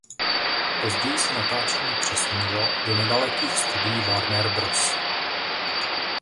Později se natáčení přesunulo do nedalekých studií Warner Bros.